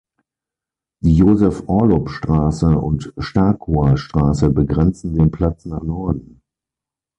Die Josef-Orlopp-Straße und Storkower Straße begrenzen den Platz nach Norden.